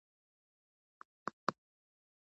باد د کښت پر تولید اغېز کوي